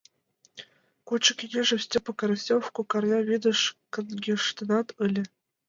Кодшо кеҥежым Стёпа Карасёв кок арня вӱдыш... каҥгештынат ыле.